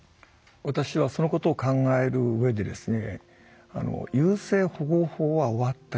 私はそのことを考える上でですね